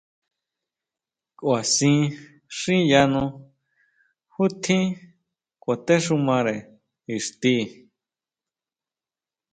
Kʼuasin xiyano ju tjín kjuatéxumare ixti.